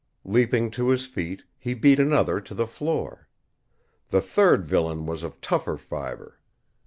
Leaping to his feet, he beat another to the floor. The third villain was of tougher fiber.